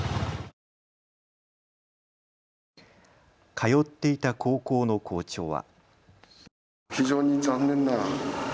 通っていた高校の校長は。